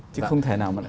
chứ không thể nào mà